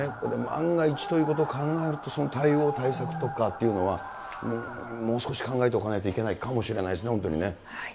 万が一ということを考えると、その対応、対策というのは、もう少し考えておかないといけないかもしれないですね、本当にね。